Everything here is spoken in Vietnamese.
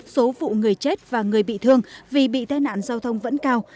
số vụ người chết và người bị thương vì bị tai nạn giao thông vẫn cao